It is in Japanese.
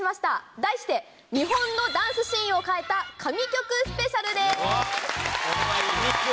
題して、日本のダンスシーンを変えた神曲スペシャルです。